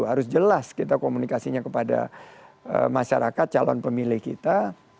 harus jelas kita komunikasinya kepada masyarakat calon pemilih kita